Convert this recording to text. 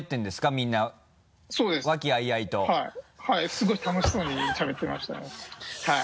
すごい楽しそうにしゃベってましたねはい。